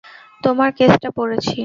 তোমার কেসটা পড়েছি।